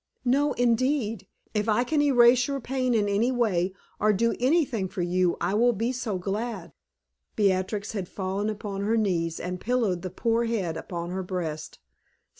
"No, indeed. If I can ease your pain in any way, or do anything for you, I will be so glad." Beatrix had fallen upon her knees, and pillowed the poor head upon her breast.